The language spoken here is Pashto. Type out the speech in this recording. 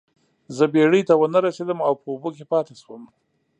زه بیړۍ ته ونه رسیدم او په اوبو کې پاتې شوم.